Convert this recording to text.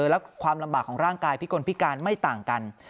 และความลำบากของร่างกายพิกลพิการไม่ต่างกัน